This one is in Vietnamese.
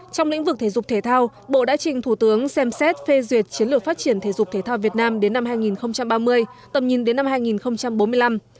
trong lĩnh vực thể dục thể thao bộ đã trình thủ tướng xem xét phê duyệt chiến lược phát triển thể dục thể thao việt nam đến năm hai nghìn ba mươi tầm nhìn đến năm hai nghìn bốn mươi năm